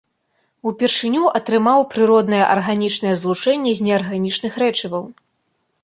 Упершыню атрымаў прыроднае арганічнае злучэнне з неарганічных рэчываў.